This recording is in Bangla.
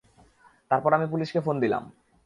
তারপর আমি পুলিশকে ফোন দিলাম।